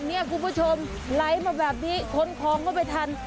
เนี่ยคุณผู้ชมไหลมาแบบนี้ขนของก็ไม่ทัน